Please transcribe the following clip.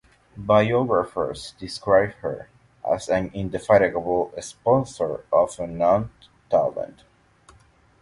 Biographers describe her as "an indefatigable sponsor of unknown talent".